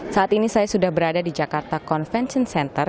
saat ini saya sudah berada di jakarta convention center